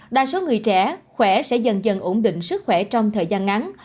đa số người trẻ khỏe sẽ dần dần ổn định sức khỏe trong thời gian ngắn